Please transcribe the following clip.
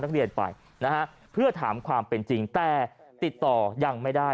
นักเรียนไปนะฮะเพื่อถามความเป็นจริงแต่ติดต่อยังไม่ได้